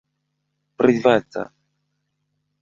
Privata.